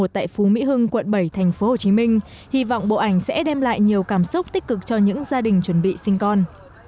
tại phú mỹ hưng quận bảy tp hcm hy vọng bộ ảnh sẽ đem lại nhiều cảm xúc tích cực cho những gia đình chuẩn bị sinh con